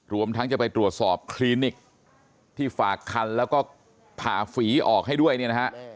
รวมทั้งจะไปตรวจสอบคลินิกที่ฝากคันแล้วก็ผ่าฝีออกให้ด้วยเนี่ยนะฮะ